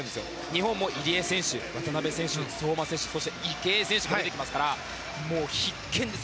日本も入江選手渡辺選手、相馬選手、そして池江選手が出てきますから必見です。